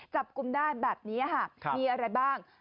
จับกลุ่มด้านแบบนี้มีอะไรบ้าง